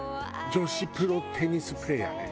女子プロテニスプレーヤーね。